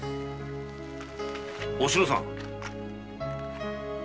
おしのさん！